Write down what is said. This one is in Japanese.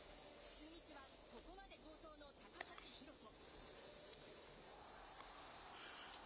中日は、ここまで好投の高橋宏斗。